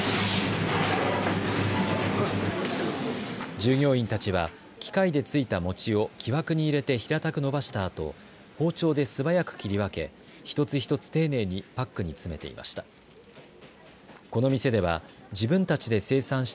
従業員たちは機械でついた餅を木枠に入れて平たく伸ばしたあと包丁で、すばやく切り分け一つ一つ、丁寧にパックに詰めていました。